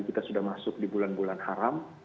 kita sudah masuk di bulan bulan haram